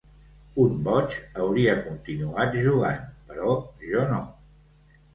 Un boig hauria continuat jugant, però jo no.